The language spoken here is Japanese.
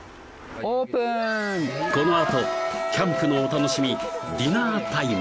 このあとキャンプのお楽しみディナータイム